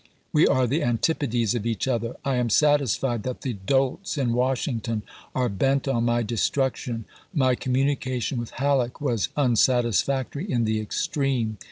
We are the antipodes of each other. I am satisfied that the dolts in Washington are bent on my de struction. .. My communication with Halleck was unsatisfactory in the extreme.